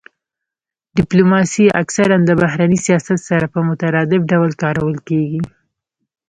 ډیپلوماسي اکثرا د بهرني سیاست سره په مترادف ډول کارول کیږي